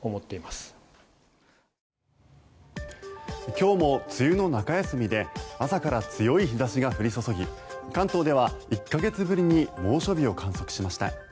今日も梅雨の中休みで朝から強い日差しが降り注ぎ関東では１か月ぶりに猛暑日を観測しました。